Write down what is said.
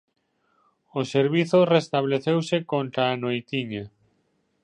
O servizo restableceuse contra a noitiña.